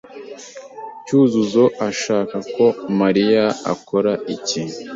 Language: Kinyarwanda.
Cyuzuzo ashaka ko Mariya akora iki?